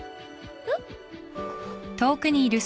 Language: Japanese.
えっ？